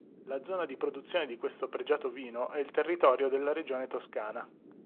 La zona di produzione di questo pregiato vino è il territorio della regione Toscana.